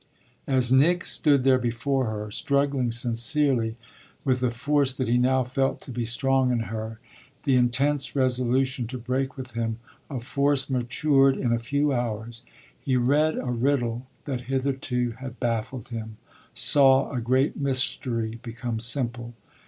As Nick stood there before her, struggling sincerely with the force that he now felt to be strong in her, the intense resolution to break with him, a force matured in a few hours, he read a riddle that hitherto had baffled him, saw a great mystery become simple.